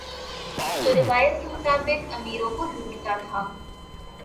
جو روایت کے مطابق امیروں کو لوٹتا تھا